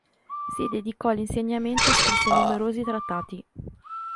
Si dedicò all'insegnamento e scrisse numerosi trattati.